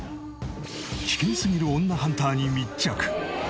危険すぎる女ハンターに密着。